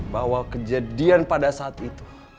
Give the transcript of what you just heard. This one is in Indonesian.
bahwa kejadian pada saat itu